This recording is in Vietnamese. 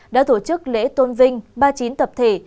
đã tổ chức lễ tôn vinh ba mươi chín tập thể